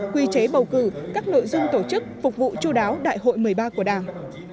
quy chế bầu cử các nội dung tổ chức phục vụ chú đáo đại hội một mươi ba của đảng